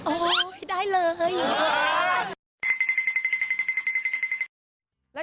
โอ๊ยได้เลย